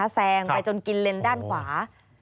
แซงไปจนกินเลนด้านขวา